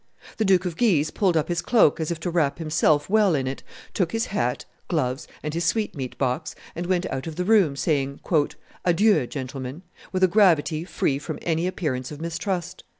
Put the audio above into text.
The Duke of Guise pulled up his cloak as if to wrap himself well in it, took his hat, gloves, and his sweetmeat box, and went out of the room, saying, "Adieu, gentlemen," with a gravity free from any appearance of mistrust.